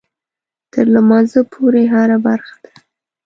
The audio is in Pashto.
تر لمانځه پورې هره برخه ده.